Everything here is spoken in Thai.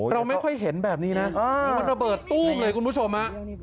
เราไม่ค่อยเห็นแบบนี้นะคือมันระเบิดตู้มเลยคุณผู้ชมฮะ